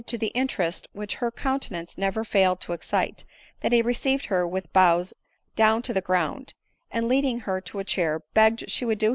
* to the interest which her countenance never failed to excite, that he received her with bows down to the ground, and leading her to a chair, begged she would do